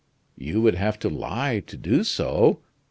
"You would have to lie to do so!